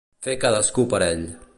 Fer cadascú per ell.